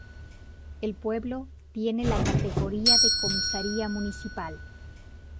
El Pueblo tiene la categoría de comisaría municipal.